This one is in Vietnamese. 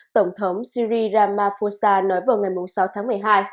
tổng thống syri ramaphosa nói vào ngày sáu tháng một mươi hai